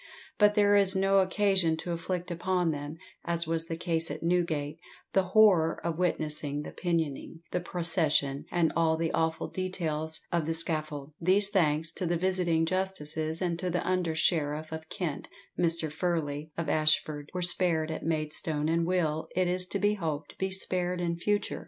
But there is no occasion to inflict upon them, as was the case at Newgate, the horror of witnessing the pinioning, the procession, and all the awful details of the scaffold. These, thanks to the visiting justices and to the under sheriff of Kent, Mr. Furley, of Ashford, were spared at Maidstone, and will, it is to be hoped, be spared in future.